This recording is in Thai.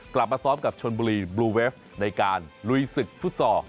กลับมาซ้อมกับชนบุรีบลูเวฟในการลุยศึกฟุตซอล